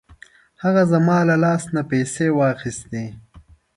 هغه زما له لاس نه پیسې واخیستې.